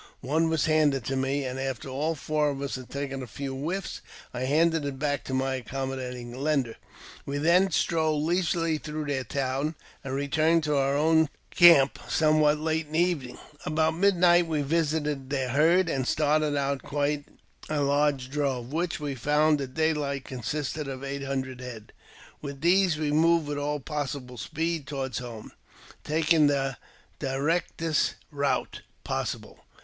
One was handed,^ to me ; and after all four of us had taken a few whiffs, dl handed it back to my accommodating lender. We then strolled leisurely through their town, and returned to our own camp : somewhat late in the evening. fll About midnight we visited their herd, and started out quite a large drove, which we found at daylight consisted of eight hundred head ; with these we moved with all possible speed toward home, taking the directest route possible.